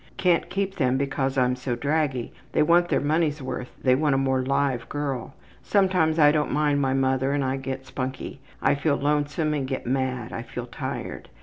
Can't keep them because I'm so draggy. They want their money's worth they want a more live girl. Sometimes I don't mind my mother and I get spunky. I feel lonesome and get mad. I feel tired.